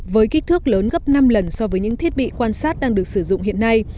với kích thước lớn gấp năm lần so với những thiết bị quan sát đang được sử dụng hiện nay